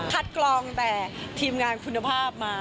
กรองแต่ทีมงานคุณภาพมา